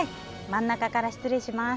真ん中から失礼します。